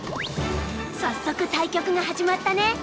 早速対局が始まったね。